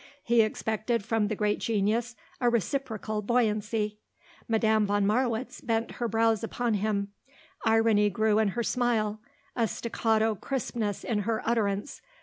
He expected from the great genius a reciprocal buoyancy. Madame von Marwitz bent her brows upon him. Irony grew in her smile, a staccato crispness in her utterance.